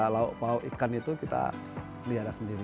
lauk lauk ikan itu kita pelihara sendiri